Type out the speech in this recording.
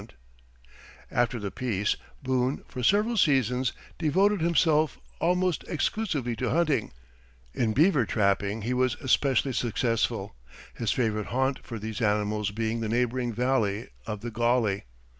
After the peace, Boone for several seasons devoted himself almost exclusively to hunting; in beaver trapping he was especially successful, his favorite haunt for these animals being the neighboring Valley of the Gauley.